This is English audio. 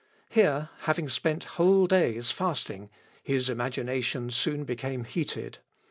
Here having spent whole days fasting, his imagination soon became heated.